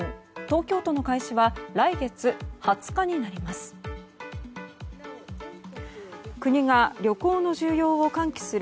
東京都の開始は来月２０日になります。